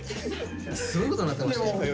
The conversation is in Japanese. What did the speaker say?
すごいことになってましたよ。